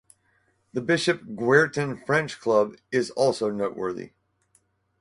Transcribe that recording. The Bishop Guertin French Club is also noteworthy.